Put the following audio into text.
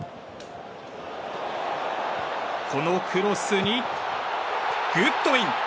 このクロスにグッドウィン！